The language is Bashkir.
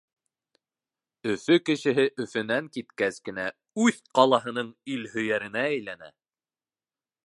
Өфө кешеһе Өфөнән киткәс кенә үҙ ҡалаһының илһөйәренә әйләнә.